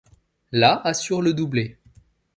La assure le doublé.